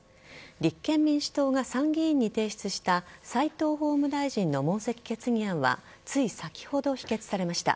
立憲民主党が参議院に提出した斎藤法務大臣の問責決議案はつい先ほど、否決されました。